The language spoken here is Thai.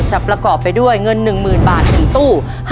ประกอบไปด้วยเงิน๑๐๐๐บาท๑ตู้